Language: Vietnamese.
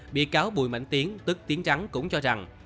bị cáo bùi mạnh tiến tức tiến trắng cũng cho rằng